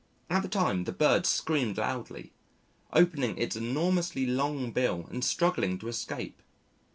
All the time, the bird screamed loudly, opening its enormously long bill and struggling to escape.